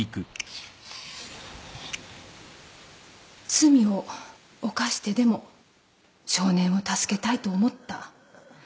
罪を犯してでも少年を助けたいと思った。